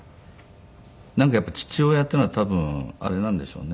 なんかやっぱり父親っていうのは多分あれなんでしょうね。